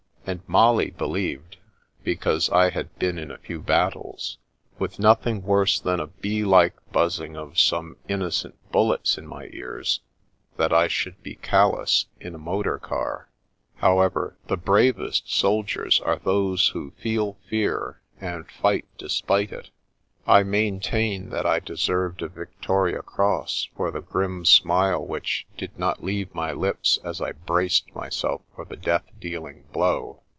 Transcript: And Molly believed, because I had been in a few battles, with nothing worse than a bee like buzzing of some in nocent bullets in my ears, that I should be callous in a motor car. 22 The Princess Passes However, the bravest soldiers are those who feel fear, and fight despite it. I maintain that I de served a Victoria Cross for the grim smile which did not leave my lips as I braced myself for the death dealing blow.